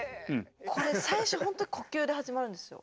これ最初ほんと呼吸で始まるんですよ。